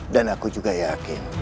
dan aku juga yakin